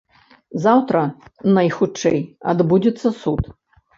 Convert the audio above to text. Заўтра, найхутчэй, адбудзецца суд.